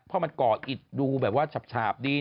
เพราะมันก่ออิดดูแบบว่าฉาบดี